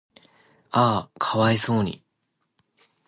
嗚呼可哀想に